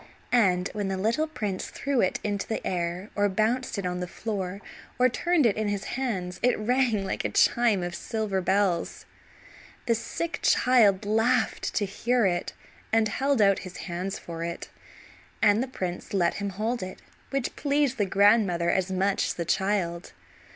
And when the little prince threw it into the air, or bounced it on the floor or turned it in his hands it rang like a chime of silver bells. The sick child laughed to hear it, and held out his hands for it, and the prince let him hold it, which pleased the grandmother as much as the child.